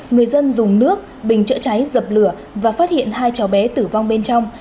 người dân dùng nước bình chữa cháy dập lửa và phát hiện hai cháu bé tử vong bên trong